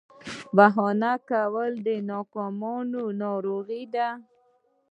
بهانه کول د ناکامیانو ناروغي ده.